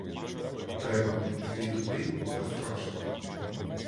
Треба б іти туди, та страшно.